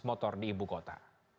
motor di ibu kota